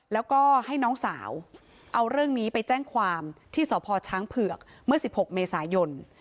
แล้วก็ให้น้องสาวเอาเรื่องนี้ไปแจ้งความที่สพช้างเผือกเมื่อ๑๖เมษายน